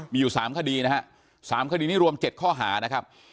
มีอยู่๓คดีนะฮะ๓คดีนี้รวม๗ข้อหานะครับ